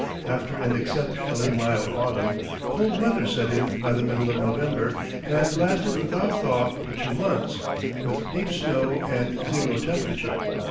After an exceptionally mild autumn, cold weather set in by the middle of November and lasted without thaw for two months, with deep snow and zero temperature.